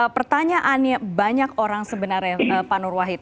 pertanyaannya banyak orang sebenarnya pak nur wahid